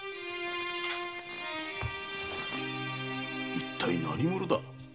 一体何者だ！？